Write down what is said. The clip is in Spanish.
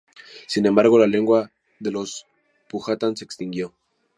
Sin embargo, la lengua de los powhatan se extinguió.